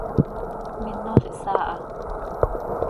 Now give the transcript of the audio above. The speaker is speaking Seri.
Minol ihsaa aha.